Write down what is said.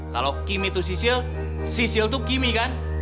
kalau kimi itu sisil sisil itu kimi kan